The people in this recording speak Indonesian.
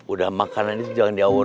udah makanan itu jangan diawar awas